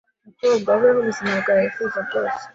Mukobwa ubeho ubuzima bwawe wifuza bwose